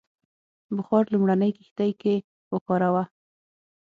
بخار لومړنۍ کښتۍ کې وکاراوه.